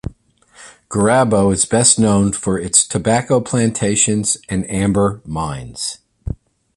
Gurabo is best known for its Tobacco Plantations and Amber Mines.